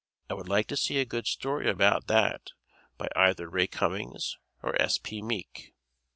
I would like to see a good story about that by either Ray Cummings or S.P. Meek.